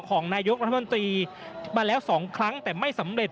ของนายกรัฐมนตรีมาแล้ว๒ครั้งแต่ไม่สำเร็จ